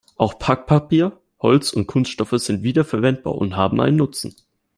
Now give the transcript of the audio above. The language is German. Auch Packpapier, Holz und Kunststoff sind wiederverwendbar und haben einen Nutzen!